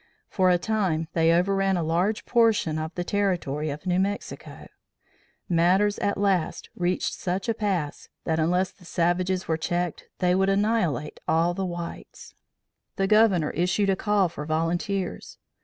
For a time they overran a large portion of the territory of New Mexico. Matters at last reached such a pass, that unless the savages were checked, they would annihilate all the whites. The Governor issued a call for volunteers.